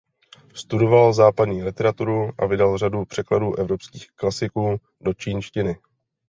Studoval západní literaturu a vydal řadu překladů evropských klasiků do čínštiny.